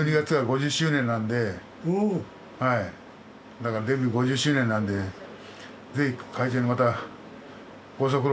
だからデビュー５０周年なんでぜひ会長にまたご足労願いたいんで。